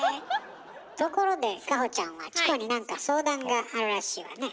ところで果歩ちゃんはチコに何か相談があるらしいわね。